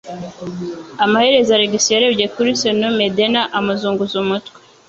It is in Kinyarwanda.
Amaherezo Alex yarebye kuri Señor Medena, amuzunguza umutwe.